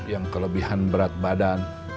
yang kelebihan berat badan